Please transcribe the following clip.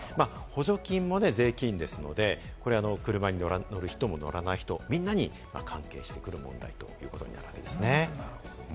補助金も税金ですので、車に乗らない人、乗る人もみんなに関係してくる問題ということですね。